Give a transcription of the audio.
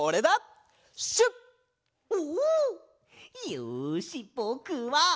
よしぼくは！